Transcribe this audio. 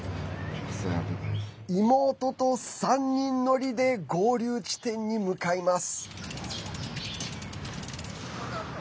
妹と３人乗りで合流地点に向かいます。